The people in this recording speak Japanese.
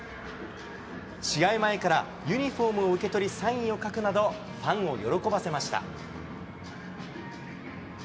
試合前から、ユニホームを受け取り、サインを書くなど、ファンを喜ばせました。